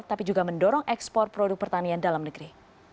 tapi juga mendorong ekspor produk pertanian dalam negeri